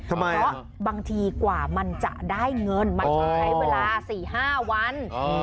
ทำไมอ่ะเพราะบางทีกว่ามันจะได้เงินมาใช้เวลา๔๕วัน